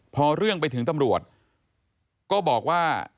พอเรื่องไปถึงตำรวจก็บอกว่า